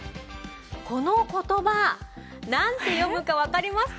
この言葉なんて読むかわかりますか？